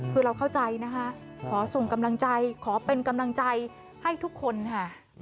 คือเราเข้าใจนะคะขอส่งกำลังใจขอเป็นกำลังใจให้ทุกคนค่ะ